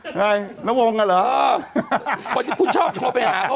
ใช่นาวงกิฝ์หรือ